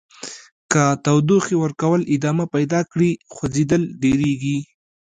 که تودوخې ورکول ادامه پیدا کړي خوځیدل ډیریږي.